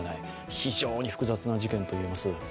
非常に複雑な事件という様子。